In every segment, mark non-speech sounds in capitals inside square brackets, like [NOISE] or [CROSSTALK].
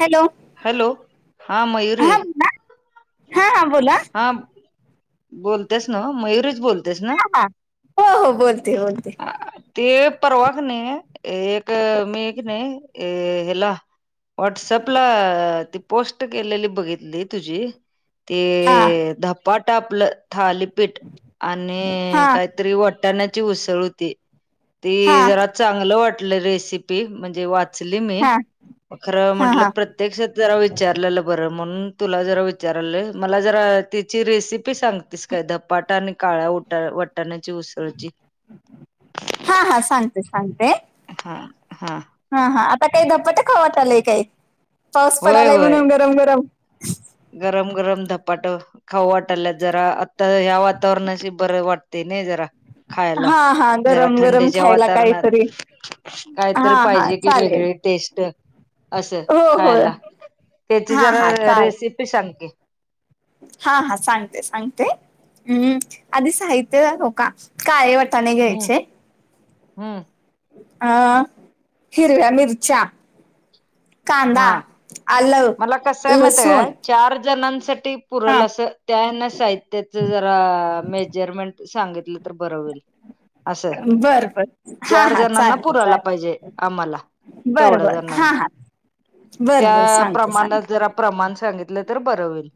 Hello hello! हा. मयूरी. हा बोला हा. हा. बोला. बोलत्यास न्हवं? मयुरीच बोल. हा हा हो हो बोलते बोलते. ते परवा कनई एक मी कनई अ हेला व्हॉट्सअपला ती पोस्ट केलेली बघितली तुझी. हा ते धपाटं आपलं थलीपीठ हा आणि हा काय? ते. तरी वट्टाणाची उसळ होती. हा ती जरा चांगलं वाटलं रेसिपी. म्हणजे वाचली मी हा खरं म्हटलं हा प्र प्रत्यक्ष जरा विचारलेलं बरं. म्हणून तुला जरा विचारलोय. मला जरा तिची रेसिपी सांगतेस. काय धपाटा आणि काळ्या उटा वटाण्याची. उसळची. हा. हा. सांगते, सांगते. हा. हा. हा हा आता काय धपाटं खाऊ वाटालंय काय? पाऊस होय पडालाय होय म्हणून गरम गरम. गरम गरम धपाटं खाऊ वाटल्यात जरा आता ह्या वातावरणाशी बरं वाटतंय नाही जरा. खायला हा हा जरा, गरम गरम थंडीच्या खायला वातावरणात. काहीतरी कायतरी हा हा पाहिजे कि चालेल वेगळी टेस्ट असं हो हो खायला. त्याची हा जरा हा चाल रेसिपी सांग की. हा हा सांगते सांगते. हम्म आधी साहित्य हो का काळे वटाणे हम्म घ्यायचे. हम्म. अ हिरव्या मिरच्या. कांदा, हा आल, मला कसं आहे माहिती लसूण आहे का चार जणांसाठी हा पुरल असं, त्या हेन साहित्याच जरा मेजरमेंट सांगितलं तर बरं होईल. असं बर बर हा चार हा जणांना चालेल पुरायला चालेल पाहिजे आम्हाला. बर तेवढ्या बर हा जणांना हा. बर बर त्या सांगते प्रमाणात सांगते जरा प्रमाण सांगितलं तर बरं होईल.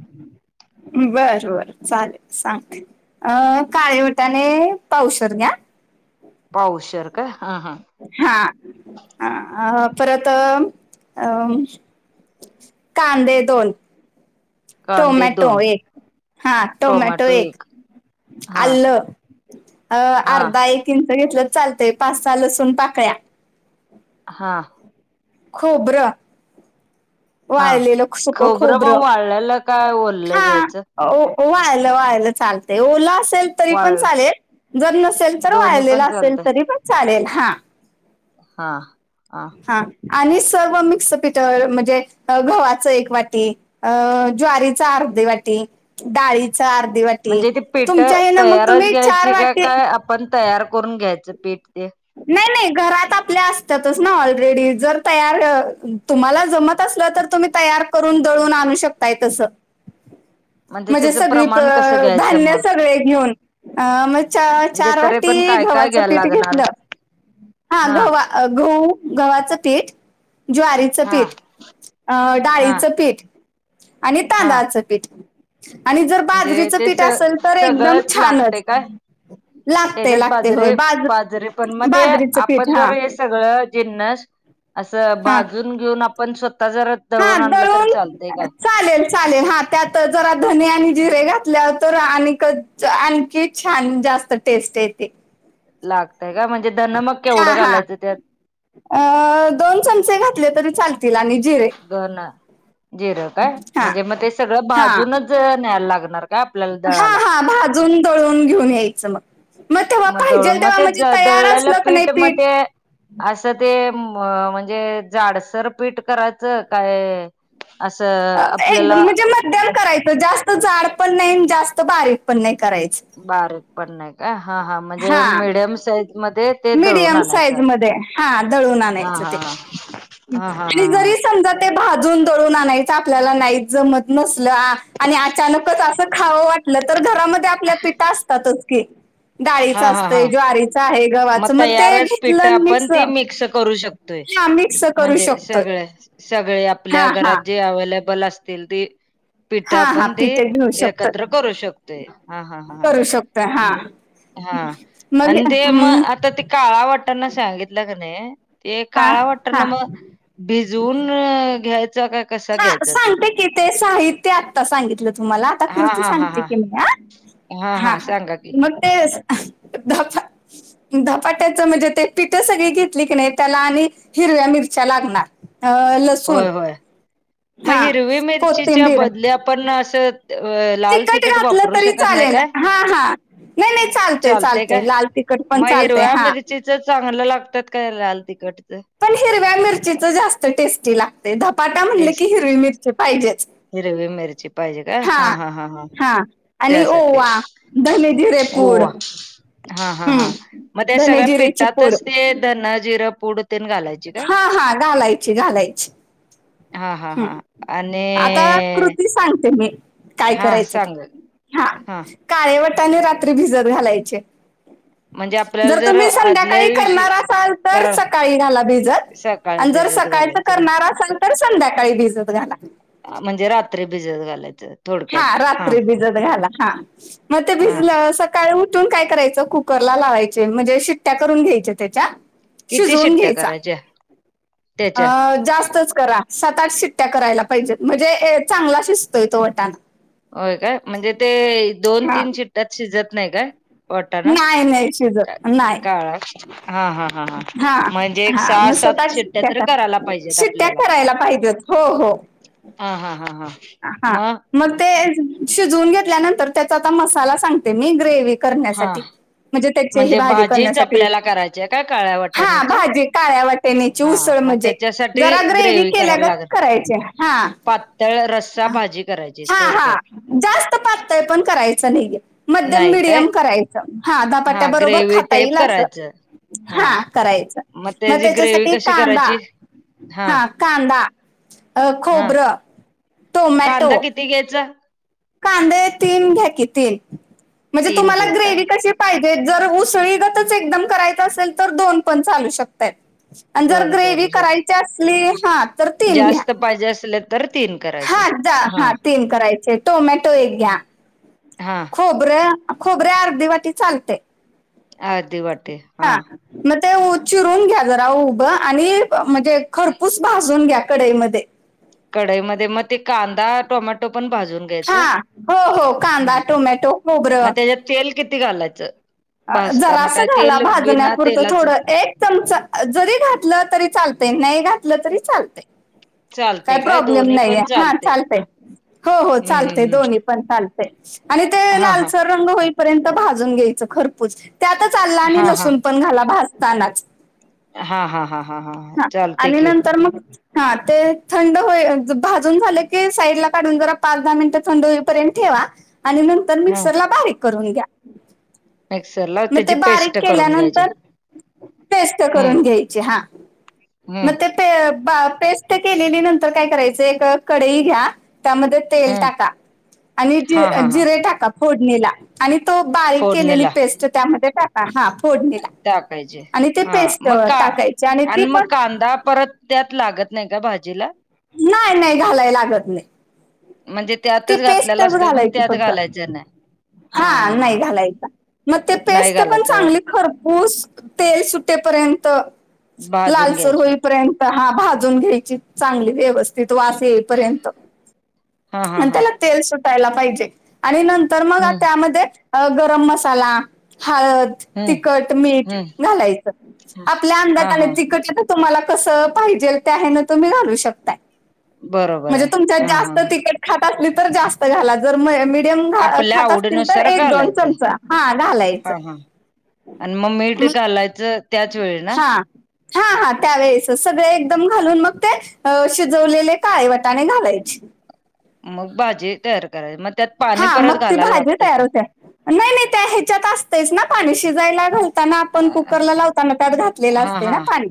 बर बर चालेल सांगते. अ काळे वटाणे पावशर घ्या. पावशेर काय? हा. हां.. हा हं परत अ कांदे दोन. कांदे टोमॅटो दोन एक. हा. टोमॅटो एक हा आलं. अ हा अर्धा एक इंच घेतलंच चालतंय पाच सहा लसूण पाकळ्या. हा. खोबरं हा वाळलेलं सुक खोबरं मग वाळलेलं काय ओललं हा. घ्यायचं ओ वाळलं वाळलं चालतंय ओला असेल तरी पण वाळ चालेल जर नसेल तर दोन्ही वाळलेला पण असेल चालतंय तरी पण चालेल हा. हा हा. हा आणि सर्व मिक्स पीठ म्हणजे गव्हाचं एक वाटी अ ज्वारीचा अर्धी वाटी डाळी च अर्धी वाटी म्हणजे ते पीठ तुमच्या हे ना मग तुम्ही चार वाटी पण तयार करून घ्यायचं पीठ ते. नाही नाही घरात आपल्या असत्यातच ना ऑलरेडी जर तयार तुम्हाला जमत असलं तर तुम्ही तयार करून दळून आणू शकताय तसं. [INAUDIBLE] [UNINTELLIGIBLE] म्हणजे त्याचं सगळी प प्रमाण कसं घ्यायचं धान्य मग सगळे घेऊन. अ मग च म्हणजे चार तरी पण वाटी काय काय गव्हाचं घ्यायला पीठ लागणार घेतलं. हा गव्हा गहू गव्हाचं पीठ ज्वारीचं हा पीठ. अं हा डाळीचं पीठ आणि हा तांदळाचं पीठ. आणि जर म्हणजे बाजरीचं ते पीठ स असेल तर एकदम सगळंच लागते छानच. काय लागते लागते होय. बाज बाजरी पण मग ते बाजरीचं पीठ आपण जर हा हे सगळं जिन्नस असं हा भाजून घेऊन आपण स्वतः जर दळून आणलं तर चालतंय का? चालेल चालेल हा त्यातच जरा धने आणि जिरे घातल्या तर आणि कच च आणखी छान जास्त टेस्ट येते. लागतय का म्हणजे? धन मग हा केवढं हा घालायचं त्यात अ दोन चमचे घातले तरी चालतील आणि जिरे धना जिरं काय हा म्हणजे मग ते सगळं हा भाजूनच न्यायला लागणार काय आपल्याला दळाला? जून दळून घेऊन यायचं मग मग तेव्हा दळून पाहिजेल मग तेव्हा ते म्हणजे तयार दळलेलं असलं क नाही मग पीठ ते असं ते म्हणजे अ जाडसर पीठ करायचं काय असं आपल्याला तर जास्त जाड पण नाही जास्त बारीक पण नाही करायची. बारीक पण नाही का हा हा म्हणजे मिडयम साईज मध्ये ते दळून मीडियम साईज आणायचं मध्ये हा दळून हा आणायचं हा ते हा हा हा हा जरी समजा ते भाजून दळून आणायचं आपल्याला नाही जमत नसला आणि अचानकच असं खावं वाट तर घरामध्ये आपल्या पीठ असत्यातच की डाळीचं हा हा हा हा असतं ज्वारीचं आहे गव्हाचं मग तयारच पिठ आपण ती मिक्स करू शकतोय. हा मिक्स करू म्हणजे शकतोय सगळे सगळे हा आपल्या घरात हा जे अवलेबल असतील ते पिठ हा हा आपण ते पिठे घेऊ शकतो एकत्र करू शकतोय हा हा हां करू शकतो हा हा मग आणि ते म हम्म, आता ते काळा वाटना सांगितलं का नाही ते हा काळा हा वाटना मग भिजून घ्यायचा का कसा हा घ्यायचा तो सांगते कि ते साहित्य आत्ता सांगितलं तुम्हाला. आता हा कृती हा हा सांगते हा की मी हा मग [UNINTELLIGIBLE] धाप धपाट्याचं म्हणजे ते पिठ सगळी घेतली की नाही त्याला आणि हिरव्या मिरच्या लागणार. [UNINTELLIGIBLE] ह लसूण होय होय मग हा हिरवी मिरचीच्या बदल्या आपण असं अ लाल तिकट तिखट घातलं वापरू तरी शकत नाही चालेल काय हा हा. नाही नाही चालतय चालतेय लाल तिकट पण मग चालत हिरव्या हा. [UNINTELLIGIBLE] चांगलं लागतात. काय? लाल तिखटच. पण, हिरव्या मिरचीच जास्त टेस्टी लागतय. धपाटा म्हणले की, टेस्ट हिरवी मिरची पाहिजेच. हिरवी मिरची पाहिजे काय? हा हा हा हा.. त्यासाठी. वा धणे, जिरे पूड. ओवा हा. हा. हा. हम्म मग, त्या धने सगळ्या जिरेची पिठातच पूड ते धणं, जिरं पूड तेन घालायचं. हा. हा. घालायची, घालायची. हा हा हम्म. हा आता आणि कृती सांगते. मी. काय हा करायचं? सांगा हा काळे वटाणे रात्री भिजत घालायचे. म्हणजे आपल्याला जर तुम्ही आदल्या संध्याकाळी दिवशी करणार असाल. तर करा सकाळी घाला भिजत. सकाळी आणि जर भिजत सकाळच घालायचं करणार असाल, तर संध्याकाळी भिजत घाला. म्हणजे रात्री भिजत घालायचं. हा. रात्री भिजत घाला. हा मग ते हा भिजल्यावर सका सकाळ उठून काय करायचं. कुकरला लावायचे म्हणजे शिट्ट्या करून घ्यायच्या त्याच्या. किती शिजवून शिट्ट्या घ्यायचा. करायच्या अ. त्याच्या जास्तच करा. सात, आठ शिट्टया करायला पाहिजेत. म्हणजे चांगला शिजतोय, तो वटाणा. होय काय? म्हणजे? ते दोन, हा तीन शिट्ट्यात शिजत नाही काय? वटाणा नाही नाही शिजत नाही काळा हा. हा. हा. हा. म्हणजे एक हा सहा, मग सात आठ शिट्ट्या तर करायला करा पाहिजेत शिट्ट्या आपल्याला. करायला पाहिजेत हो हो हा. हा. हा. हा.. हा. मग, ते शिजवून घेतल्यानंतर त्याचा आता मसाला सांगते. मी ग्रेव्ही. हा करण्यासाठी. म्हणजे त्याची हे भाजी भाजीच करण्यासाठी आपल्याला करायची आहे काय काळ्या हा वाटाण्याची भाजी काळ्या वाट तेनेची हा उसळ मग म्हणजे? त्याच्यासाठी जरा ग्रेव्ही करायला केल्यागत लागल करायचे हा. र [UNINTELLIGIBLE] भाजी करता. हा. हा. जास्त पातळ पण करायचं नाहीय. मध्यम, नाही काय मिडियम करायचं. हा. धपाट्या बरोबर ग्रेव्ही खाता टाईप येईल? असं. करायचं हा. करायचं मग, त्याची ग्रेव्ही त्याच्यासाठी कशी कांदा. करायची हा. कांदा अ हा खोबरं. कांदा टोमॅटो किती? घ्यायचं? कांदे तीन घ्या की तीन, म्हणजे तीन तुम्हाला घेऊ काय ग्रेव्ही कशी? पाहिजे जर उसळीगतच एकदम करायचं असेल, तर दोन पण चालू शकता. आणि जर दोन ग्रेव चालू शक करायची असली, हा तर तीन घ्या. जास्त पाहिजे असेल. तर, तीन कराय. हा. चार हा तीन करायचे. टोमॅटो एक घ्या. हां. खोबरं खोबरे अर्धी वाटी चालतंय. अर्धी वाटी. हा. मग ते चिरून घ्या. जरा उभं आणि म्हणजे खरपूस भाजून घ्या. कडाईमध्ये. कढाईमध्ये मग, ते कां दा टोमॅटो पण, भाजून घ्यायच.. हा हो हो ह. कांदा टोमॅटो मग, खोबरं त्याच्या. तेल किती? घालायचं. भाजताना जरास काय असं घाला. तेल बिना भाजण्यापुरतं तेलाच थोडं एक. चमच जरी घातलं तरी चालत नाही घातलं तरी चालतय. काय? चालते प्रॉब्लेम दोन्ही नाही पण आहे. हा. चालते चालतंय. हो. हो. हम्म हम्म चालतंय हम्म दोन्ही पण, चालते आणि ते हा हा लालसर. रंग होईपर्यंत भाजून घ्यायचं. खरपूस त्यातच आलं आणि हा हा लसुण. पण, घाला भाजताना हा हा हा हा हा हा. चालते आणि की नंतर मग. हा ते थंड होईल भाजून झालं की साईड ला काढून जरा पाच दहा मिनिटं थंड होईपर्यंत ठेवा. आणि नंतर हा मिक्सरला बारीक करून घ्या. मिक्सरला मग ते त्याची बारीक पेस्ट करून घ्यायची केल्यानंतर पेस्ट हम्म करून घ्यायची हा हम्म मग ते. पेस्ट केलेली नंतर काय करायचं एक कडई घ्या त्यामध्ये तेल हम्म टाका आणि हा हा हा जिरे ही टाका फोडणीला. आणि तो बारीक केलेली फोडणीला पेस्ट त्यामध्ये टाका हा फोडणीला. टाकायचे आणि ते हा पेस्ट मग का टाकायची ती आणि मग पण कांदा परत त्यात लागत नाही का भाजीला? नाही नाही घालाय लागत नाही. म्हणजे ती त्यातच पेस्ट घातलेला असतो पण घालायची त्यात फक्त. घालायचं नाही हा नाही घालायचा मग ते नाही पेस्ट पण घालायचं वर चांगली खरपूस. तेल सुटेपर्यंत भाजून लालचर घ्यायचे होईपर्यंत. हा भाजून घ्यायची चांगली व्यवस्थित वास येईपर्यंत. हा हा आणि हा त्याला तेल सुटायला पाहिजे आणि नंतर मग हम्म त्यामध्ये अ गरम मसाला हळद. हम्म तिखट मीठ हम्म घालायचं आपल्या हा अंदाजाने हा तिखट. तुम्हाला कसं पाहिजेल ते आहे ना तुम्ही घालू शकताय. बरोबर म्हणजे आहे तुमच्यात हा हा जास्त तिखट खात असली तर जास्त घाला जर मिठ आपल्या खात असतील तर आवडीनुसार एक दोन घालायचं चमच हा घालायच. हा हा आणि मग मीठ घालायचं त्याच वेळी ना? हा हा त्यावेेळेस सगळे एकदम घालून मग ते. अ शिजवलेले काले वटाने घालायचे. मग भाजी तयार करायची मग. त्यात हा पाणी परत मग ती घालायला भाजी लागते तयार का होते नाही नाही त्या ह्याच्यात असतेच ना पाणी शिजायला घाल. ताना आपण हा कुकरला लावताना त्यात घातलेलं असते हा ना पाणी.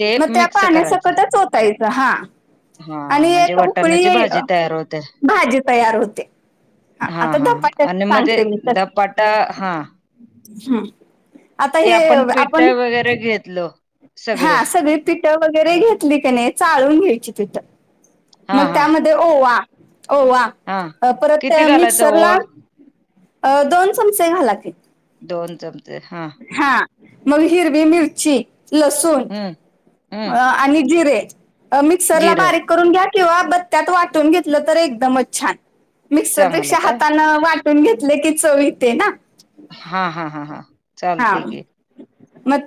ते मग त्या मिक्स करायचं पाण्यासकतच होतायच हा. हा आणि म्हणजे एक वाटाण्याची उकळीत भाजी तयार होते भाजी तयार होते. हां हा आता हा ह धपाट्याच आणि मध्ये दपाटा हा ह आता ते हे पिठ आपण वगैरे घेतलो सगळे हा सगळी पिठं वगैरे घेतली त्याने का नाही चाळून घ्यायची पिठं. हा मग हा त्यामध्ये ओवा ओवा हा परत किती त्या घालायचं मिक्सरला ओवा अ दोन चमचे घाला की. दोन चमचे हा. हा मग हिरवी मिरची लसूण हम आणि जिरे मिक्सरला जिरं बारीक करून घ्या कि व बत्यात वाटुन घेत तर एकदम छान मिक्सर चांगलं पेक्षा काय हात न वाट. करून घेतले की चव येते ना. हा हा हा हा हा चालतय की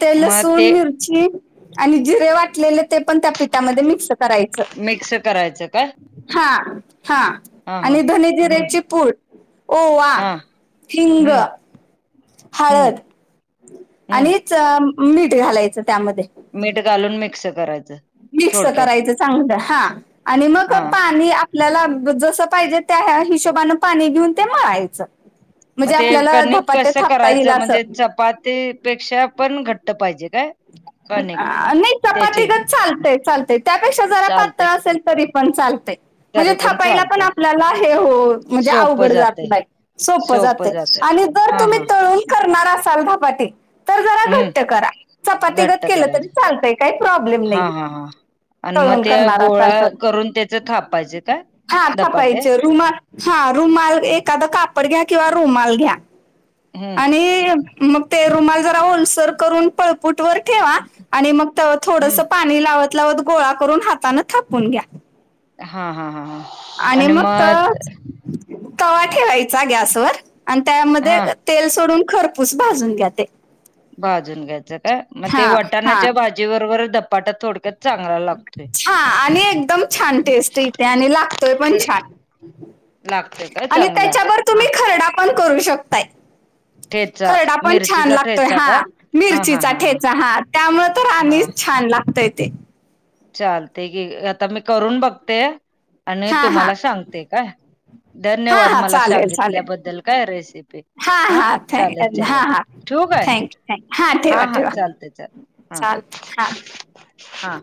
ते न मग ते लसुन मीर. चीआणि जिरे वाटलेले ते पण त्या पिठामध्ये मिक्स करायचं मिक्स करायचं काय हा हा हा हा आणि धने हम्म जिऱ्याची पूड ओवा, हा हिंग हम्म हम्म हळद हम्म आणि च मीठ घालायचं त्यामध्ये. मीठ घालून मिक्स करायचं. मिक्स थोडक्यात करायचं चांगलं हा आणि मग हा पाणी आपल्याला जसं पाहिजे त्या हिशोबनें पाणी घेऊन ते मळायचं. मग म्हणजे ते आपल्याला कणिक धपाटे कसं? थापता येईल करायचं म्हणजे असं चपातीपेक्षा पण घट्ट पाहिजे काय? कणिक नई चपाती त्याची गत चालते चालते त्यापेक्षा जरा पातळ चालते असेल. तरी पण चालतय, म्हणजे तरी थापायला पण चालते आपल्याला हे हो म्हणजे सोपं अवघड जात जाते नाय. सोपं जाते आणि जर हा तुम्ही हा तळून करणार असाल धपाटे तर जरा हम्म घट्ट करा. चपातीगत घट्ट केलं करायच तरी चालतय काही प्रॉब्लेम हा नाही. हा हा आणि मग तळून ते करणार असाल गोळा तर करून त्याच थापायचे काय हा धपाटे छपायचे. रुमाल, हा रुमाल एखादं कापड घ्या किंवा रुमाल घ्या. [UNINTELLIGIBLE] आणि मग ते रुमाल जरा ओलसर करून फूट वर ठेवा आणि मग थोडंस हम्म पाणी लावत लावत गोळा करून हातान थापून घ्या. हा हा, हा हा. आणि मग त तवा ठेवायचा गॅसवर आणि त्यामध्ये हा तेल सोडून खरपूस भाजून घ्या ते. भाजून घ्यायचं का मग ते हा हा वटाणाच्या भाजी बरोबर धपाट थोडक्यात चांगला लागतोय हा आणि एकदम छान टेस्ट येते आणि लागतोय पण ते. छान लागतोय काय आणि चांगला त्याच्याबर हा तुम्ही खरडा पण करू शकताय. ठेचा खरडा पण छान मिरचीचा लागतोय ठेचा हा! काय हा हा मिरचीचा हा ठेचा हा, त्यामुळे तर हा आणिच छान लागतय ते. चालते की आता मी करून बघते आणि हा हा तुम्हाला सांगते काय. हा धन्यवाद, हा मला चालेल चालेल सांगितल्याबद्दल काय रेसिपी. हा थँक चालेल हा चालेल हा ठेऊ काय? [UNINTELLIGIBLE] हा हा चालते चालते हा चालतं हां हा.